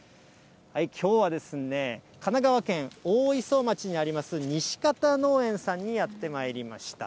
きょうは神奈川県大磯町にあります、にしかた農園さんにやってまいりました。